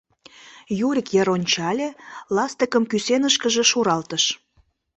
Юрик йыр ончале, ластыкым кӱсенышкыже шуралтыш.